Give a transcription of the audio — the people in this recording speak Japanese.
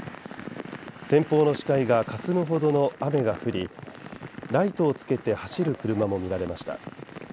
前方の視界がかすむほどの雨が降りライトをつけて走る車も見られました。